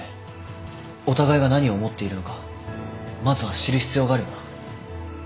お互いが何を思っているのかまずは知る必要があるよな。